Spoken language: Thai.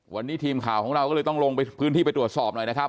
วันนี้ทีมข่าวของเราก็เลยต้องลงไปพื้นที่ไปตรวจสอบหน่อยนะครับ